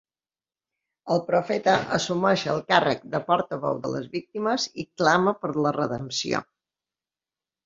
El profeta assumeix el càrrec de portaveu de les víctimes i clama per la redempció.